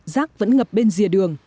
rác vẫn ngập bên dìa đường